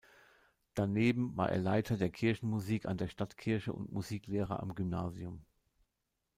Daneben war er Leiter der Kirchenmusik an der Stadtkirche und Musiklehrer am Gymnasium.